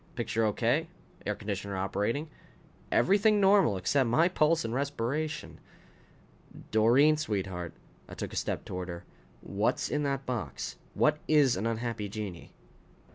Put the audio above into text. Picture okay. Air conditioner operating. Everything normal except my pulse and respiration. "Doreen, sweetheart " I took a step toward her "what's in that box? What is an unhappy genii?"